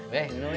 weh minum ya